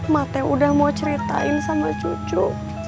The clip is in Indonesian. mak teh udah mau ceritain sama cucu